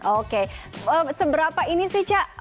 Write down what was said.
oke seberapa ini sih cak